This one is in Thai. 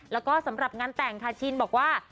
แล้วก็สำหรับงานแต่งค่ะชินบอกว่า